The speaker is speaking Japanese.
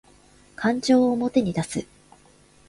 感情を表に出す